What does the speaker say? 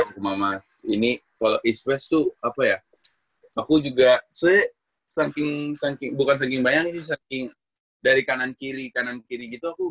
kalau east west tuh apa ya aku juga soalnya saking bukan saking bayang sih saking dari kanan kiri kanan kiri gitu aku jadi